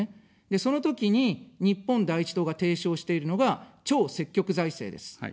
そのときに、日本第一党が提唱しているのが、超積極財政です。